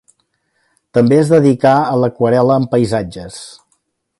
També es dedicà a l'aquarel·la, amb paisatges.